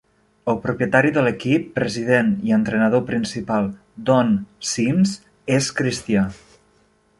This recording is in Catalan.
El propietari de l'equip, president i entrenador principal, Don Sims, és cristià.